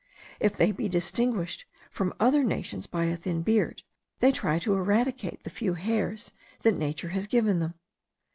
If they be distinguished from other nations by a thin beard, they try to eradicate the few hairs that nature has given them.